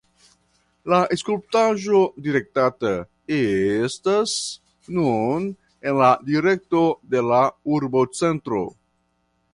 La skulptaĵo direktata estas nun en la direkto de la urbocentro.